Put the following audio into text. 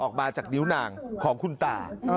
ออกมาจากนิ้วนางของคุณตา